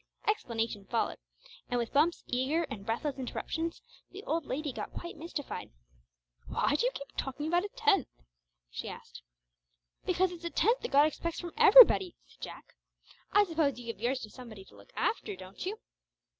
Explanation followed, and with Bumps' eager and breathless interruptions, the old lady got quite mystified. "Why do you keep talking about a tenth?" she said. "Because it's a tenth that God expects from everybody," said Jack. "I suppose you give yours to somebody to look after, don't you?"